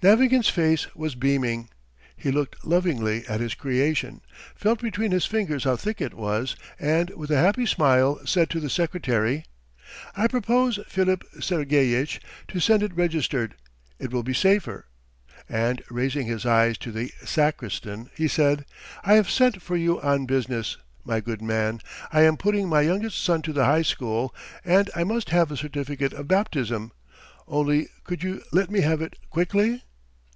Navagin's face was beaming. He looked lovingly at his creation, felt between his fingers how thick it was, and with a happy smile said to the secretary: "I propose, Filipp Sergeyitch, to send it registered. It will be safer. ..." And raising his eyes to the sacristan, he said: "I have sent for you on business, my good man. I am putting my youngest son to the high school and I must have a certificate of baptism; only could you let me have it quickly?"